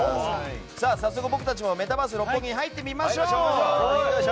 早速僕たちもメタバース六本木に入ってみましょう。